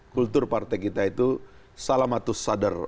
kultur partai kita itu salamatus sadar